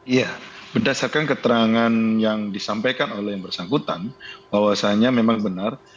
ya berdasarkan keterangan yang disampaikan oleh yang bersangkutan bahwasannya memang benar